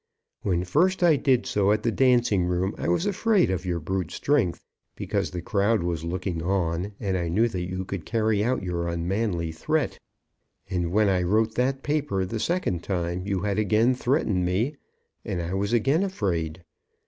When first I did so at the dancing room, I was afraid of your brute strength, because the crowd was looking on and I knew you could carry out your unmanly threat. And when I wrote that paper the second time, you had again threatened me, and I was again afraid.